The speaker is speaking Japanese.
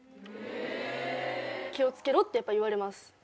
気を付けろってやっぱ言われます。